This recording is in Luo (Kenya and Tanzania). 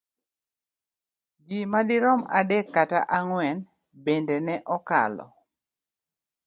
Ji madirom adek kata ang'wen bende ne okalo.